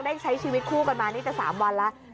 ใช้ชีวิตคู่กันมานี่จะ๓วันแล้ว